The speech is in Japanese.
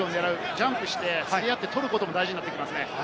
ジャンプして競り合って取ることも大事になってきますね。